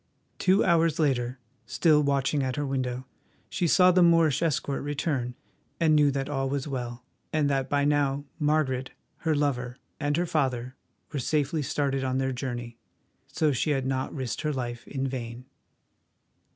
Two hours later, still watching at her window, she saw the Moorish escort return, and knew that all was well, and that by now, Margaret, her lover, and her father were safely started on their journey. So she had not risked her life in vain.